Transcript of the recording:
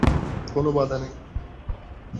কোনো বাধা নেই।